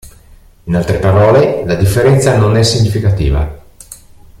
In altre parole: la differenza non è significativa.